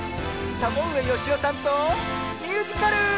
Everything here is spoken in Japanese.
サボうえよしおさんとミュージカル！